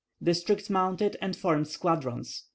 Districts mounted and formed squadrons.